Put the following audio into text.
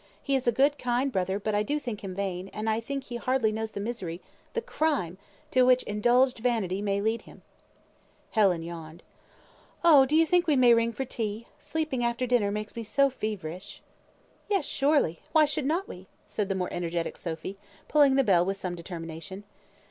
He is a good, kind brother, but I do think him vain, and I think he hardly knows the misery, the crimes, to which indulged vanity may lead him." Helen yawned. "Oh! do you think we may ring for tea? Sleeping after dinner always makes me so feverish." "Yes, surely. Why should not we?" said the more energetic Sophy, pulling the bell with some determination.